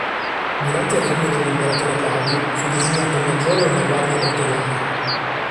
Durante il regno dell'imperatore Claudio fu designato maggiore della Guardia Pretoriana.